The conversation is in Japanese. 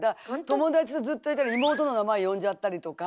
友達とずっといたら妹の名前呼んじゃったりとか。